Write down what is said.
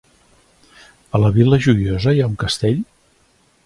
A la Vila Joiosa hi ha un castell?